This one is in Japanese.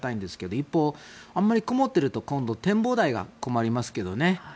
一方、あまり曇っていると今度は展望台が困りますけどね。